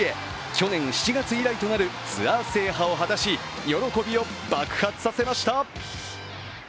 去年７月以来となるツアー制覇を果たし喜びを爆発させました。